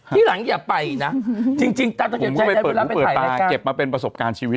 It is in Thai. ผมก็ไปเปิดหูเปิดป่าเก็บมาเป็นประสบการณ์ชีวิต